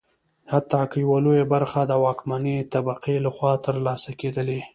حتی که یوه لویه برخه د واکمنې طبقې لخوا ترلاسه کېدلی.